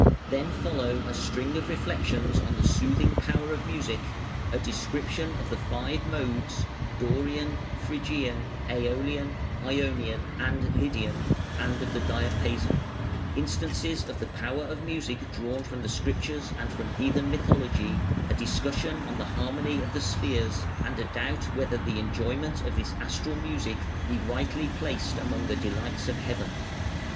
Then follow a string of reflections on the soothing power of music, a description of the five "modes" (Dorian, Phrygian, Aeolian, Ionian, and Lydian) and of the diapason; instances of the power of music drawn from the Scriptures and from heathen mythology, a discussion on the harmony of the spheres, and a doubt whether the enjoyment of this "astral music" be rightly placed among the delights of heaven.